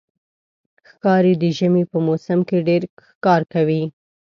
ښکاري د ژمي په موسم کې ډېر ښکار کوي.